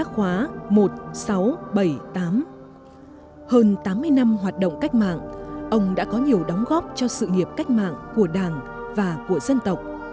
hơn tám mươi năm hoạt động cách mạng ông đã có nhiều đóng góp cho sự nghiệp cách mạng của đảng và của dân tộc